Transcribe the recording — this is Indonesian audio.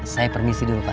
saya permisi dulu pak